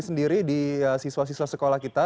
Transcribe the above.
sendiri di siswa siswa sekolah kita